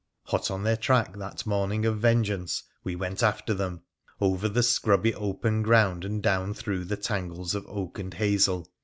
Hot on their track that morning of vengeance we went after them ; over the scrubby open ground and down through the tangles of oak and hazel.